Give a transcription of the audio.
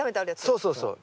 そうそうそう。